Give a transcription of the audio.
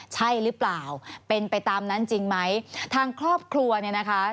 ใช่หรือเปล่าเป็นไปตามนั้นจริงไหมทางครอบครัวเนี่ยนะคะ